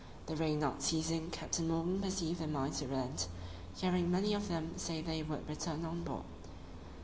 The rain not ceasing, Captain Morgan perceived their minds to relent, hearing many of them say they would return on board.